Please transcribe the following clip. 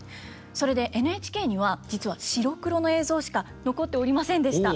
それでＮＨＫには実は白黒の映像しか残っておりませんでした。